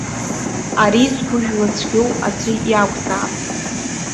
Ари згәыжәла цәгьоу аӡәы иакәзаап.